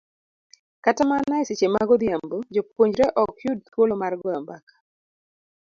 Kata mana e seche mag odhiambo, jopuonjre ok yud thuolo mar goyo mbaka